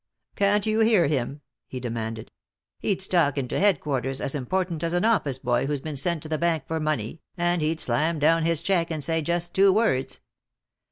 "Can't you hear him?" he demanded. "He'd stalk into headquarters as important as an office boy who's been sent to the bank for money, and he'd slam down his check and say just two words."